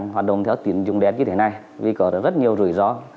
hoạt động theo tín dụng đen như thế này vì có rất nhiều rủi ro